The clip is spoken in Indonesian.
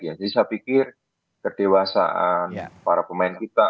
jadi saya pikir kedewasaan para pemain kita